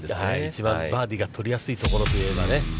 一番バーディーが取りやすいところといえばね。